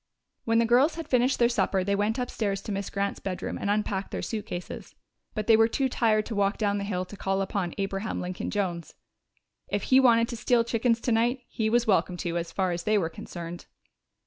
When the girls had finished their supper they went upstairs to Miss Grant's bedroom and unpacked their suitcases. But they were too tired to walk down the hill to call upon Abraham Lincoln Jones. If he wanted to steal chickens tonight, he was welcome to, as far as they were concerned.